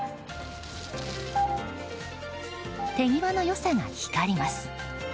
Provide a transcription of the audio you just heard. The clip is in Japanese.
手際の良さが光ります。